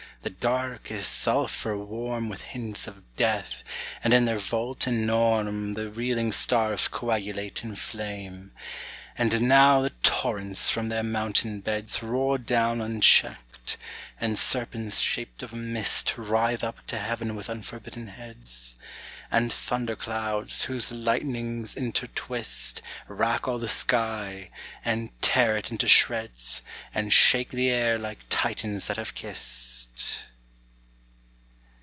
The Dark is sulphur warm With hints of death; and in their vault enorme The reeling stars coagulate in flame. And now the torrents from their mountain beds Roar down uncheck'd; and serpents shaped of mist Writhe up to Heaven with unforbidden heads; And thunder clouds, whose lightnings intertwist, Rack all the sky, and tear it into shreds, And shake the air like Titians that have kiss'd!